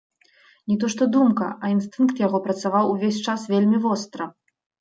Не то што думка, а інстынкт яго працаваў увесь час вельмі востра.